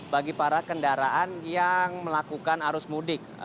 bagi para kendaraan yang melakukan arus mudik